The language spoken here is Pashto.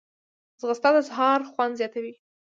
ځغاسته د سهار خوند زیاتوي